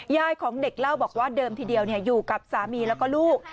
ยายของเด็กเล่าบอกว่าเดิมทีเดียวอยู่กับสามีแล้วก็ลูก